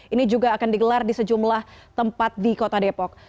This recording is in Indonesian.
ini juga akan digelar di sejumlah tempat di kota depok